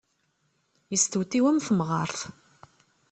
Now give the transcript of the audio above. Yestewtiw am temɣart.